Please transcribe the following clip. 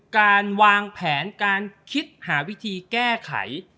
การวางแผนการคิดหาวิธีแก้ไข